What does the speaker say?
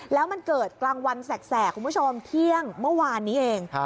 แล้วมันเกิดกลางวันแสกคุณผู้ชมเที่ยงเมื่อวานนี้เอง